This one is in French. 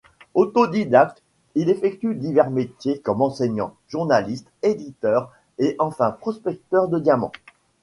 Autodidacte, il effectue divers métiers comme enseignant, journaliste, éditeur et enfin prospecteur de diamants.